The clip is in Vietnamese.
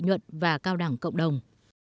nhuận và cao đẳng cộng đồng